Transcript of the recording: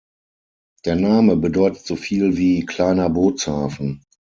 Der Name bedeutet so viel wie "kleiner Bootshafen".